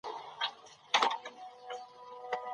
ټولنیز ګروپونه څنګه جوړیږي؟